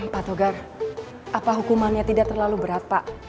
pak togar apa hukumannya tidak terlalu berat pak